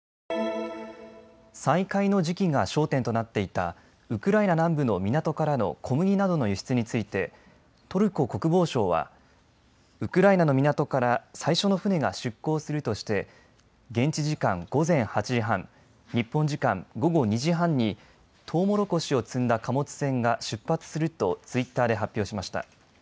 再開の時期が焦点となっていたウクライナ南部の港からの小麦などの輸出についてトルコ国防省はウクライナの港から最初の船が出港するとして現地時間、午前８時半、日本時間、午後２時半にトウモロコシを積んだ貨物船が出発するとツイッターで発表しました。